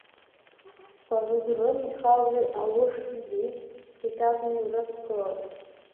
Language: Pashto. پر زړه مې خاورې اوښتې دي؛ کتاب مې ورک کړ.